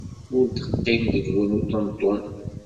Ur d-iqqim deg-wen uṭenṭun.